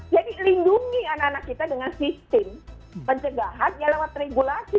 jadi lindungi anak anak kita dengan sistem pencegahan yang lewat regulasi